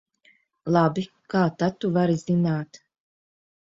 Labi, kā tad tu vari zināt?